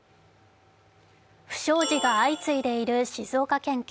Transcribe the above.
不祥事が相次いでいる静岡県警。